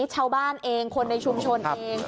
ชาวบ้านเองคนในชุมชนเอง